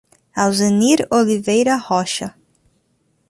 Alzenir Oliveira Rocha